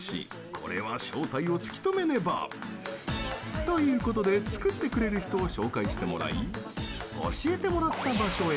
これは正体を突き止めねば！ということで作ってくれる人を紹介してもらい教えてもらった場所へ。